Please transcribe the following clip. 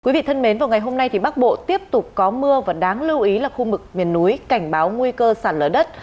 quý vị thân mến vào ngày hôm nay thì bắc bộ tiếp tục có mưa và đáng lưu ý là khu vực miền núi cảnh báo nguy cơ sạt lở đất